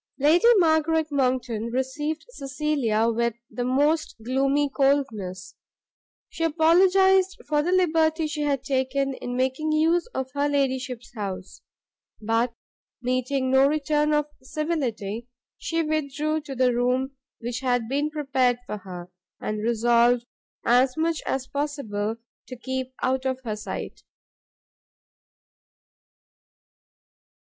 Lady Margaret Monckton received Cecilia with the most gloomy coldness: she apologised for the liberty she had taken in making use of her ladyship's house, but, meeting no return of civility, she withdrew to the room which had been prepared for her, and resolved as much as possible to keep out of her sight.